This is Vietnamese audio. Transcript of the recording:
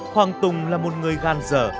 hoàng tùng là một người gan dở